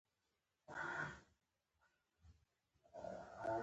پۀ غټو چوکــــو ناست وي تاجه دغه یې پوره ده